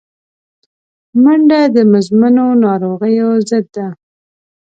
منډه د مزمنو ناروغیو ضد ده